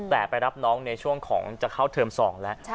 แต่ไปรับน้องในช่วงของจะเข้าเทอม๒แล้ว